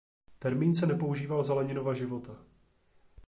Termín se nepoužíval za Leninova života.